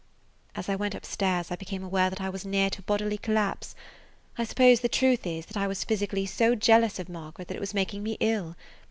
As I went up stairs I became aware that I was near to a bodily collapse; I suppose the truth is that I was physically so jealous of Margaret that it was making me ill.